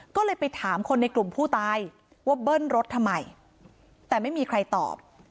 ก็เลยไปถามคนในกลุ่มผู้ตายว่าเบิ้ลรถทำไมแต่ไม่มีใครตอบ